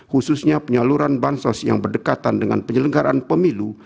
khususnya penyaluran bansos yang berdekatan dengan penyelenggaraan pemilu